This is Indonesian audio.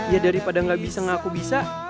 ya daripada gak bisa gak aku bisa